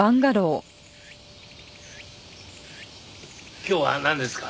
今日はなんですか？